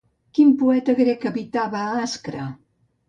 Quin poeta grec habitava a Ascra?